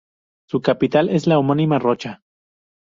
Su capital es la homónima Rocha.